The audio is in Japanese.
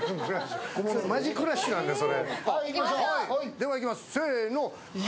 ではいきます、せーの。